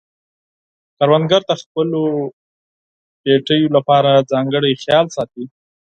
کروندګر د خپلو پټیو لپاره ځانګړی خیال ساتي